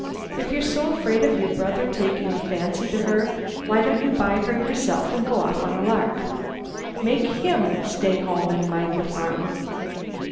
If you're so afraid of your brother taking a fancy to her, why don't you buy her yourself and go off on a lark? Make him stay home and mind the farm!...